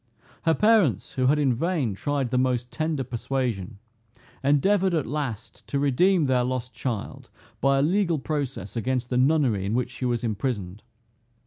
Her parents, who had in vain tried the most tender persuasion, endeavored at last to redeem their lost child, by a legal process against the nunnery in which she was imprisoned.